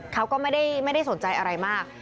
เขาก็ไม่ได้สนใจอะไรมาก